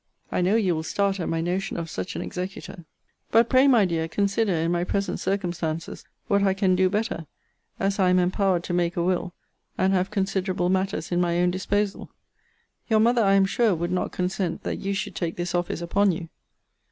I know you will start at my notion of such an executor; but pray, my dear, consider, in my present circumstances, what I can do better, as I am empowered to make a will, and have considerable matters in my own disposal. Your mother, I am sure, would not consent that you should take this office upon you.